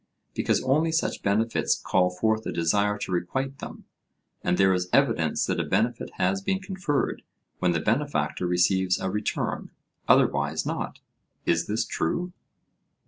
Because only such benefits call forth a desire to requite them, and there is evidence that a benefit has been conferred when the benefactor receives a return; otherwise not. Is this true?